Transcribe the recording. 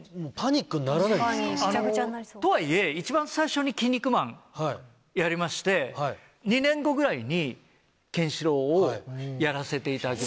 とはいえ一番最初にキン肉マンやりまして２年後ぐらいにケンシロウをやらせていただきまして。